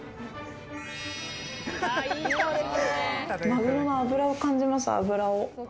マグロの脂を感じます。